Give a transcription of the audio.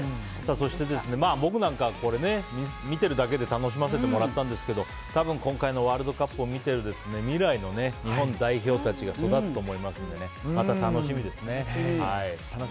そして、僕なんか見ているだけで楽しませてもらったんですけど多分、今回のワールドカップを見ている未来の日本代表たちが育つと思いますのでまた楽しみですね。